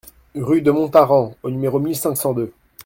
Rue de Montaran au numéro mille cinq cent deux